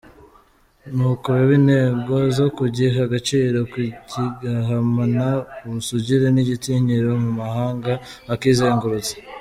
Nuko biha intego zo kugiha agaciro kigahamana ubusugire n’igitinyiro mu mahanga akizengurutse.